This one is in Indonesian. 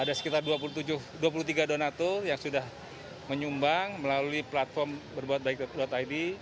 ada sekitar dua puluh tiga donatur yang sudah menyumbang melalui platform berbuatbaik id